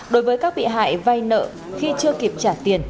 đối với các bị hại vay nợ khi chưa kịp trả tiền